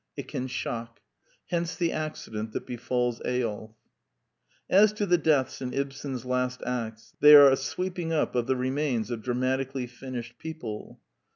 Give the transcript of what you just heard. It can shock. Hence the accident that befalls Eyolf. As to the deaths in Ibsen's last acts, they are a sweeping up of the remains of dramatically finished people.